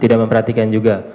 tidak memperhatikan juga